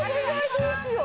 どうしよう！？